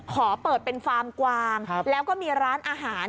ขอเปิดเป็นฟาร์มกวางแล้วก็มีร้านอาหาร